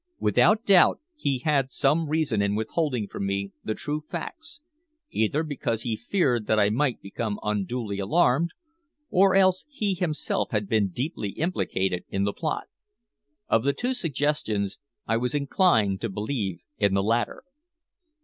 Without doubt he had some reason in withholding from me the true facts, either because he feared that I might become unduly alarmed, or else he himself had been deeply implicated in the plot. Of the two suggestions, I was inclined to believe in the latter.